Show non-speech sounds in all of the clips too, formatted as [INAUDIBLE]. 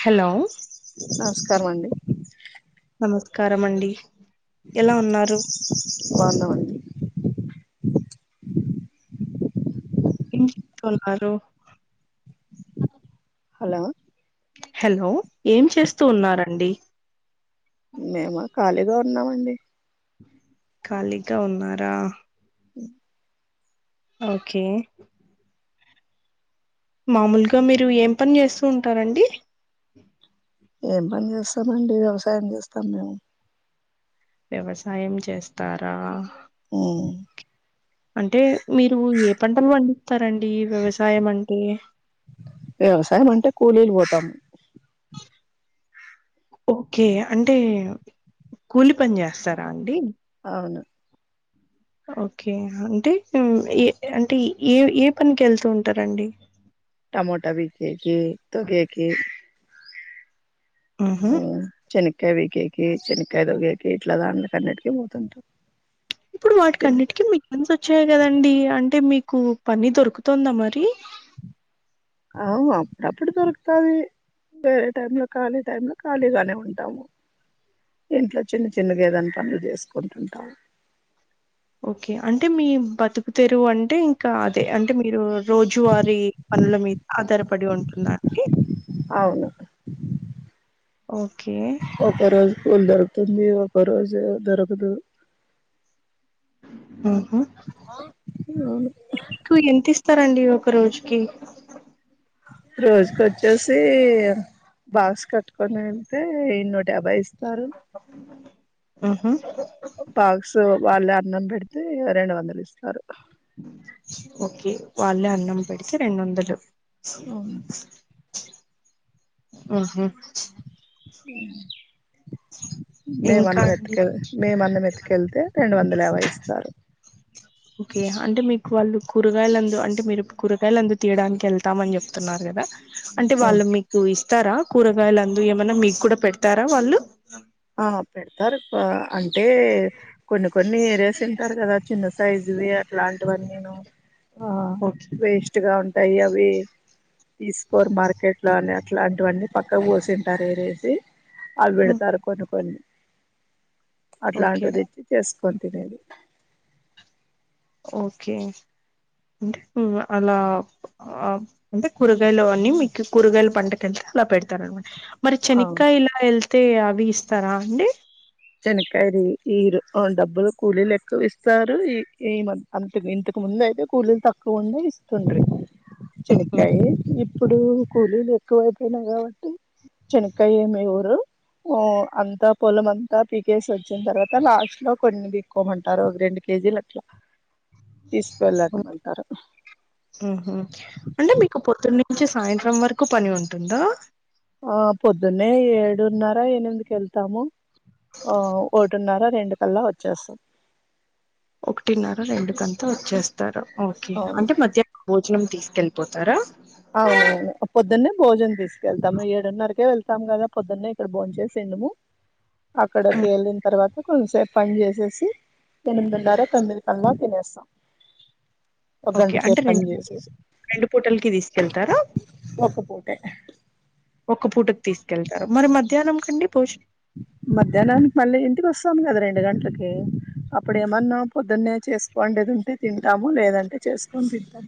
Hello నమస్కారం అండి నమస్కారం అండి ఎలా ఉన్నారు బాగున్నామండి ఏం చేత వున్నారు హలో హలో ఏం చేస్తూ ఉన్నారండి మేమా ఖాళీగా ఉన్నామండి ఖాళీగా ఉన్నారా [INAUDIBLE] ఓకే మామూలుగా మీరు ఏం పని చేస్తూ ఉంటారండి ఏం పని చేస్తామండి వ్యవసాయం చేస్తాం మేము వ్యవసాయం చేస్తారా ఊ అంటే మీరు ఏ పంటలు పండిస్తారండి వ్యవసాయం అంటే వ్యవసాయం అంటే కూలీలు పోతాం ఓకే అంటే కూలి పని చేస్తారా అండి అవును ఓకే అంటే ఏ అంటే ఏ ఏ పనికి వెళ్తూ ఉంటారండి మోటా బికేకి తొగేకి ఉ ఊహు చెని కాయ పికేకి చేనికాయ తోగేకి ఇట్లా దాంట్లకన్నింటికి పోతుంటాం ఇప్పుడు వాటికి అన్నిటికీ మిషన్స్ వచ్చాయి కదండి అంటే మీ కు పని దొరుకుతుందా మరి అవును అప్పుడప్పుడు దొరుకుతాది వేరే టైమ్ లో ఖాళీ టైమ్ లో ఖాళీగానే ఉంటాము ఇంట్ల చిన్న చిన్నగా ఏదన్న పనులు చేసుకుంటుంటాము ఓకే అంటే మీ బతు కుతెరువు అంటే ఇంకా అదే అంటే మీరు రోజువారీ పనుల మీద ఆధారపడి ఉం నాకి అవును ఓకే ఒక రోజు కూలి దొరుకుతుంది ఒక రోజు దొరకదు ఉ అవును ఇస్తారండి ఒక రోజుకి రోజుకొచ్చేసి బాక్స్ కట్టుకొని వెళ్తే నూట యాబ్భై ఇస్తారు ఆహా బాక్స్ వాళ్లే అన్నం పెడితే రెండు వందలు ఇస్తారు ఓకే వాళ్ళే అన్నం పెడితే రెండు వందలు ఉహు ఉమ్ మేము ఇంకా అన్నం అండి? ఎతుకెళ్ మేము అన్నం ఎతుకెళ్తే రెండు వందల యాబై ఇస్తారు [INAUDIBLE] ఓకే అంటే మీకు వాళ్ళు కూరగాయలందు అంటే మీరు కూరగాయలందు తీయడానికి వెళ్తామని చెప్తున్నారు కదా అంటే వాళ్ళు మీకు ఇస్తారా కూరగాయల అందు ఏమన్నా మీకు కూడా పెడతారా వాళ్ళు ఆ పెడతారు అంటే కొన్ని కొన్ని ఏరియాసి ఉంటారు కదా చిన్న సైజువి అట్లాంటివన్నిను ఆ ఓకే వేస్ట్ గా ఉంటాయి అవి తీసుకోరు మార్ కెట్ లా అన్ని అట్లాంటివన్నీ పక్కక్ పోసింటారు ఏరేసి అవి హ్మ్. పెడతారు. కొన్ని కొన్ని ఓకే అట్లాంటివిదెచ్చి చేస్ కొని తినేది ఓకే అంటే అలా ఆ అంటే కూరగాయలు అవన్నీ మీకు కూరగాయల పంటకెళ్తే అలా పెడతారు అనమాట మరి ఆ శనక్కాయలా ఎళ్తే అవి ఇస్తారా అండి. శనక్కాయలు ఈ ఈయరు ఆ డబ్బులు కూలీలు ఎక్కువ ఇస్తారు ఈ ఈ మం అంత ఇంతకు ముంద్ ముందయితే కూలీలు తక్కువ ఉండే ఇస్తుండ్ర్రి హుహు. శనక్కాయే ఇప్పుడూ కూలీలు. ఎక్కువైపోయినాయి కాబట్టి చనక్కాయి ఏమి ఇవ్వరూ ఆ అంతా పొలం అంత్ యా పీకేసి వచ్చిన్ తర్వాతా లాస్ట్ లో కొన్ని పీక్కోమంటారు ఒక రెండు కేజీలు అట్లా. తీసుకవెళ్ళు అన్ హ్మ్. ముందుంటారు. హుహు. అంటే మీకు పొద్దున్న నుంచి సాయంత్రం వరకు పని ఉంటుందా. ఆ పొద్దున్నే ఏడున్నరా ఎనిమిదికి ఎళ్తాము. ఆ ఒకటిన్నరా రెండు కల్లా వచ్చేస్తాం. ఒకటిన్నరా రెండు కంతా వచ్చేస్తారు ఓకే అవును అంటే మధ్యా [INAUDIBLE] భోజనం తీస్ కెళ్పోతారా అవునువును పొద్దున్నే భోజన్ తీసుకెళ్తాము ఏడున్నరకే వెళ్తాం గదా పొద్దున్నే ఇక్కడ భోజ చేసినుము. అక్కడకి హ్మ్. ఎళ్ళిన్ తర్వాతా కొన్సేప్ పన్ చేశేసి ఎనిమిదిన్నరా తొమ్మిది కల్లా తినేస్తాం. ఒక గంట ఓకే సేపు అంటే పని రెండ్ చేసేసి రెండు పూటల్కి తీసుకెళ్తారా. ఒక పూటే ఒక పూటకు తీసుకెళ్తారు మరి మధ్యాహ్నం కండి భోజ్ మధ్యాహ్నానికి మళ్ళీ ఇంటికి వస్తాము గదా రెండు గంటలకీ అప్పుడు ఏమన్నా పొద్దున్నే. చేసుకోండేది ఉంటే తింటాము లేదంటే చేసుకొన్ తింటాం.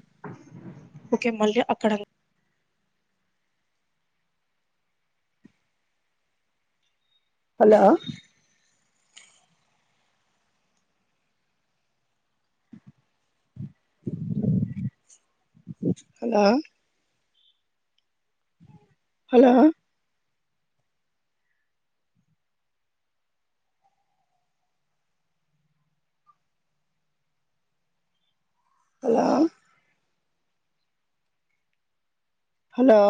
ఓకే మళ్ళీ అక్కడం hello hello hello hello hello